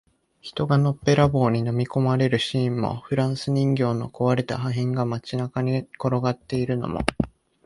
人がのっぺらぼうに飲み込まれるシーンも、フランス人形の壊れた破片が街中に転がっているのも、